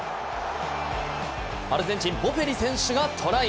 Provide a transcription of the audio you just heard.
アルゼンチンもボフェリ選手がトライ。